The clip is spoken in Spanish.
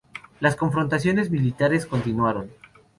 Las confrontaciones militares continuaron.